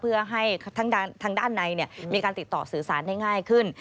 เพื่อให้ทางด้านในมีการติดต่อสื่อสารได้ง่ายขึ้น